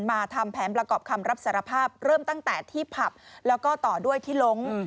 ทำแผนประกอบคำรับสารภาพเริ่มตั้งแต่ที่ผับแล้วก็ต่อด้วยที่ลง